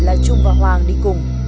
là trung và hoàng đi cùng